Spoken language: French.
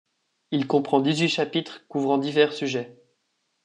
Il comprend dix-huit chapitres couvrant divers sujets.